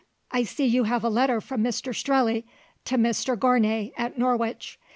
I see you have a letter from Mr Strelley to Mr Gournay at Norwich.